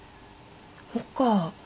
そっか。